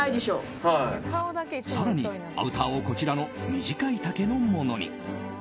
更にアウターをこちらの短い丈のものに。